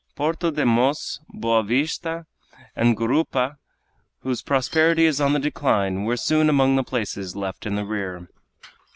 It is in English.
Porto de Mos, Boa Vista, and Gurupa, whose prosperity is on the decline, were soon among the places left in the rear.